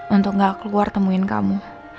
untuk gak keluar temuin kamu